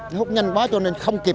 nó hút nhanh quá cho nên không kịp